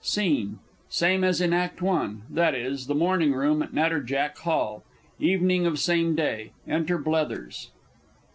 SCENE Same as in Act I.; viz., the Morning Room at Natterjack Hall. Evening of same day. Enter BLETHERS.